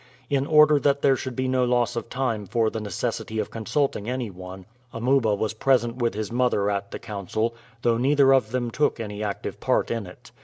In order that there should be no loss of time for the necessity of consulting any one Amuba was present with his mother at the council, though neither of them took any active part in it.